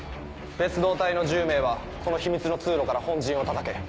別動隊の１０名はこの秘密の通路から本陣を叩け。